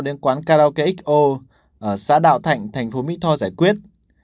đến quán karaoke xo ở xã đạo thạnh thành phố mỹ tho giải quyết